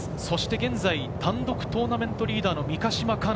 現在、単独トーナメントリーダーの三ヶ島かな。